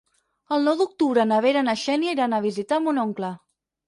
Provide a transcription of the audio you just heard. El nou d'octubre na Vera i na Xènia iran a visitar mon oncle.